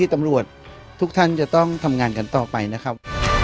ตำรวจทุกท่านจะต้องทำงานกันต่อไปนะครับ